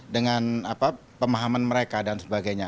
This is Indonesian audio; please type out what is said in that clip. dengan pemahaman mereka dan sebagainya